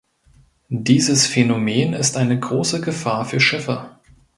Dieses Phänomen ist eine große Gefahr für Schiffe.